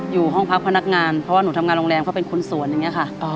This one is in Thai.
อยู่ห้องพักพนักงานเพราะว่าหนูทำงานโรงแรมเขาเป็นคนสวนอย่างนี้ค่ะ